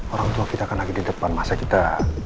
orang tua kita kan lagi di depan masa kita